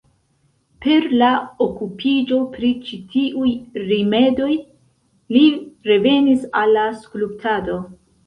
Per la okupiĝo pri ĉi tiuj rimedoj li revenis al la skulptado.